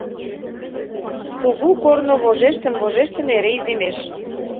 Кугу корно, вожештын-вожештын, эре иземеш.